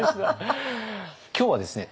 今日はですね